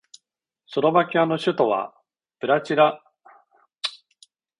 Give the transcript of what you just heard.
スロバキアの首都はブラチスラバである